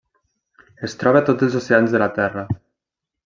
Es troba a tots els oceans de la Terra.